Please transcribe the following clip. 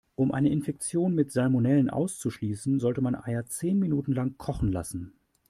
Um eine Infektion mit Salmonellen auszuschließen, sollte man Eier zehn Minuten lang kochen lassen.